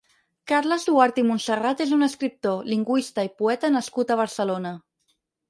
Carles Duarte i Montserrat és un escriptor, lingüista i poeta nascut a Barcelona.